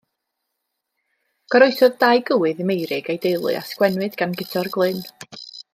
Goroesodd dau gywydd i Meurig a'i deulu a sgwennwyd gan Guto'r Glyn.